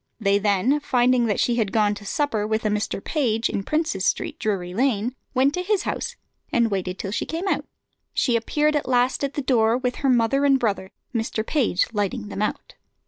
They then, finding that she had gone to supper with a Mr. Page, in Princes Street, Drury Lane, went to his house and waited till she came out. She appeared at last at the door, with her mother and brother, Mr. Page lighting them out.